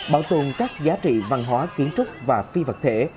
bảo tồn các giá trị văn hóa kiến trúc và phi vật thể